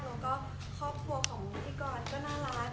แล้วก็ครอบครัวของพิธีกรก็น่ารัก